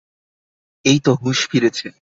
এইতো হুশ ফিরেছে।